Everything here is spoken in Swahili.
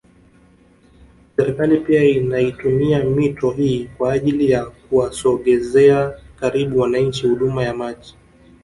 Serikali pia inaitumia mito hii kwa ajili ya kuwasogezeaa karibu wananchi huduma ya maji